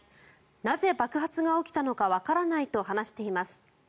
なぜ爆発が起きたのかわからないと話しています。